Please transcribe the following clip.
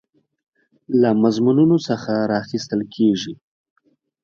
له مضمونونو څخه راخیستل کیږي.